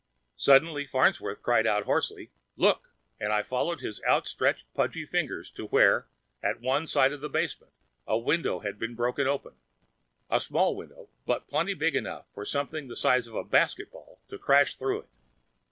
Suddenly Farnsworth cried out hoarsely, "Look!" and I followed his outstretched, pudgy finger to where, at one side of the basement, a window had been broken open a small window, but plenty big enough for something the size of a basketball to crash through it.